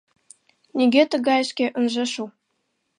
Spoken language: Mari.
Нигӧ тыгайышке ынже шу!..